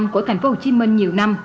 của tp hcm nhiều năm